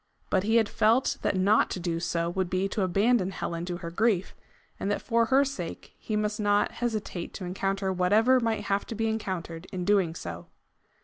But he had felt that not to do so would be to abandon Helen to her grief, and that for her sake he must not hesitate to encounter whatever might have to be encountered in doing so.